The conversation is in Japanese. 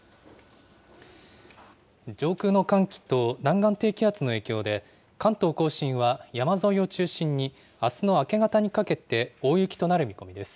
上空の寒気と南岸低気圧の影響で、関東甲信は山沿いを中心にあすの明け方にかけて大雪となる見込みです。